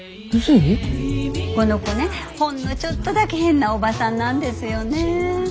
この子ねほんのちょっとだけ変なおばさんなんですよねぇ。